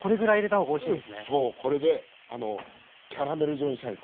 そうこれであのキャラメル状にしたい。